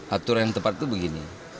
aturan yang tepat itu begini